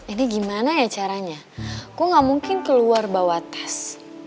ini gimana ya caranya gue gak mungkin keluar bawa tas